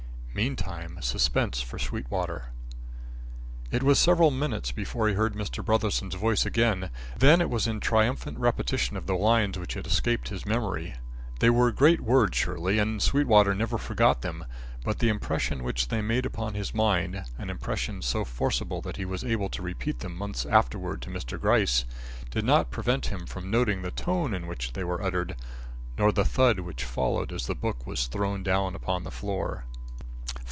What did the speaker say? Meantime, suspense for Sweetwater. It was several minutes before he heard Mr. Brotherson's voice again, then it was in triumphant repetition of the lines which had escaped his memory. They were great words surely and Sweetwater never forgot them, but the impression which they made upon his mind, an impression so forcible that he was able to repeat them, months afterward to Mr. Gryce, did not prevent him from noting the tone in which they were uttered, nor the thud which followed as the book was thrown down upon the floor.